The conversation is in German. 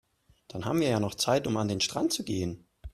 Dann haben wir ja noch Zeit, um an den Strand zu gehen.